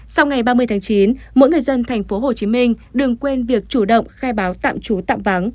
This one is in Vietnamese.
sau ngày ba mươi tháng chín mỗi người dân tp hcm đừng quên việc chủ động khai báo tạm trú tạm vắng